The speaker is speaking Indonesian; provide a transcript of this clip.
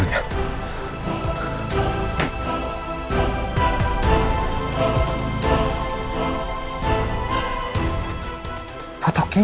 mara gak boleh macam gini